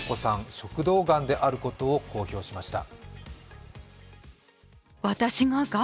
食道がんであることを公表しました。